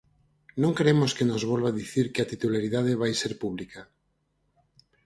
Non queremos que nos volva dicir que a titularidade vai ser pública.